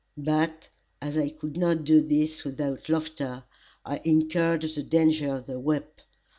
But as I could not do this without laughter, I incurred the danger of the whip.